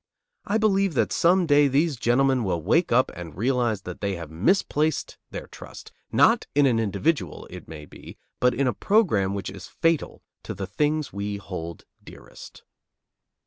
I believe that some day these gentlemen will wake up and realize that they have misplaced their trust, not in an individual, it may be, but in a program which is fatal to the things we hold dearest.